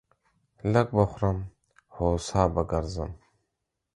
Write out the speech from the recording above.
لږ به خورم ، هو سا به گرځم.